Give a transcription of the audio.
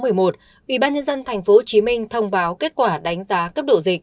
ủy ban nhân dân tp hcm thông báo kết quả đánh giá cấp độ dịch